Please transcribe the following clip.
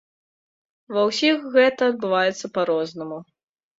Ва ўсіх гэта адбываецца па-рознаму.